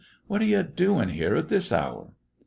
What are you doing here at this hour!"